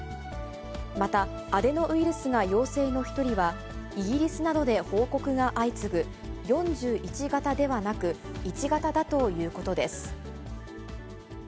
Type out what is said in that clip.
またアデノウイルスが陽性の１人は、イギリスなどで報告が相次ぐ４１型ではなく、１型だということです。